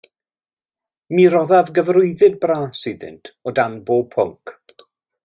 Mi roddaf gyfarwyddyd bras iddynt o dan bob pwnc.